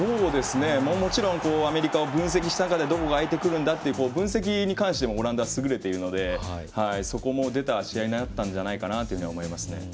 もちろんアメリカを分析した中でアメリカのどこが空いているかという分析も優れているのでそこも出た試合だったんじゃないかなと思います。